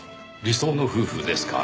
理想の夫婦ですか。